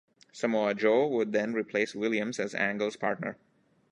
Samoa Joe would then replace Williams as Angle's partner.